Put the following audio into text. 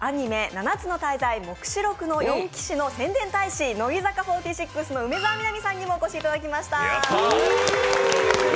「七つの大罪黙示録の四騎士」の宣伝大使、乃木坂４６の梅澤美波さんにもお越しいただきました。